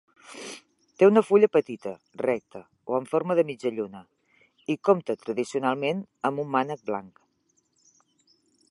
Té una fulla petita, recta o en forma mitja lluna, i compta tradicionalment amb un mànec blanc.